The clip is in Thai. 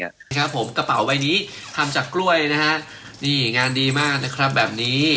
นะครับผมกระเป๋าใบนี้ทำจากกล้วยนะฮะนี่งานดีมากนะครับแบบนี้